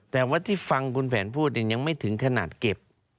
แต่ว่าที่ฟังคุณแผนพูดยังไม่ถึงขนาดเก็บ